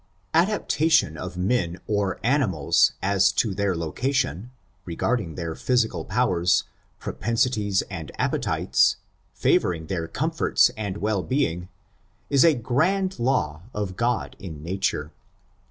Adaptation of men or animals as to their loca tion, regarding their physical powers, propensities and appetites, &voring their comforts and well being, is a grand law of God in nature.